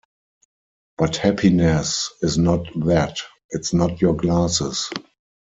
But happiness is not that, it's not your glasses.